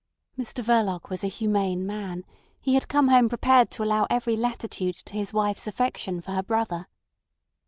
Mr Verloc was a humane man; he had come home prepared to allow every latitude to his wife's affection for her brother.